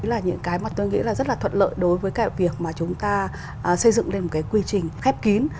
đó là những cái mà tôi nghĩ là rất là thuận lợi đối với cái việc mà chúng ta xây dựng lên một cái quy trình khép kín